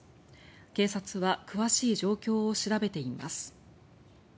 警察は詳しい状況を調べています。